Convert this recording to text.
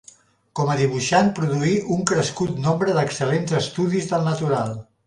Com a dibuixant produí un crescut nombre d'excel·lents estudis del natural.